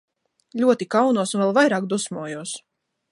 Ļoti kaunos un vēl vairāk dusmojos!